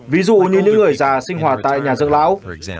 ví dụ như những người già sinh hoạt tại nhà giấc lão